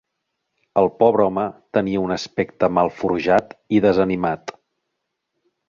El pobre home tenia un aspecte malforjat i desanimat.